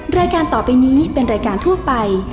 เวลานี้คือแกร่งทาง